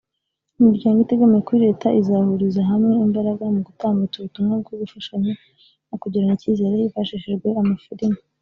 imiryango itegamiye kuri Leta; izahuriza hamwe imbaraga mu gutambutsa ubutumwa bwo gufashanya no kugirirana icyizere; hifashishijwe amafilimi